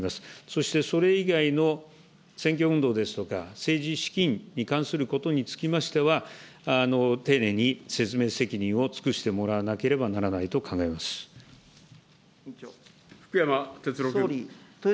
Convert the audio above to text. そして、それ以外の選挙運動ですとか、政治資金に関することにつきましては、丁寧に説明責任を尽くしてもらわなければならないと考えておりま